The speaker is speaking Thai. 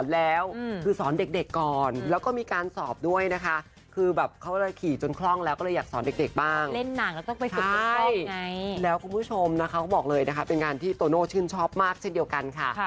แล้วคุณผู้ชมนะคะเขาบอกเลยนะคะเป็นงานที่โตโน่ชื่นชอบมากเช่นเดียวกันค่ะ